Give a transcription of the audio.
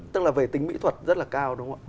tức là về tính mỹ thuật rất là cao đúng không ạ